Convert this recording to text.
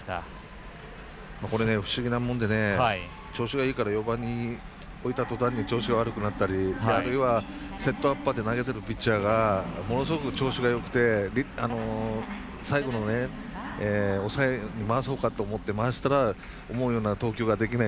これ不思議なもんで調子がいいから４番に置いたとたんに調子が悪くなったりあるいはセットアッパーで投げているピッチャーがものすごく調子がよくて最後の抑えに回そうかと思って回したら思うような投球ができない。